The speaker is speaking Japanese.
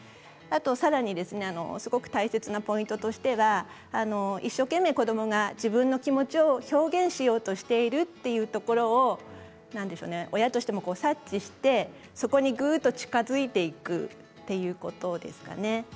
さらに、すごく大切なポイントとしては一生懸命、子どもが自分の気持ちを表現しようとしているというところを親としても察知して、そこにぐっと近づいていくということですかね。